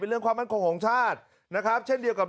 ระบังของโขงชาติเช่นเดียวกับ